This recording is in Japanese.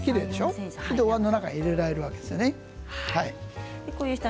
おわんの中に入れられるわけですね。